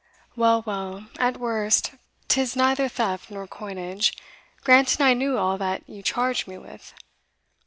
Well, well, at worst, 'tis neither theft nor coinage, Granting I knew all that you charge me with.